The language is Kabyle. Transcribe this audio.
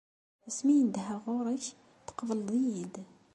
Asmi i nedheɣ ɣur-k, tqebleḍ-iyi-d.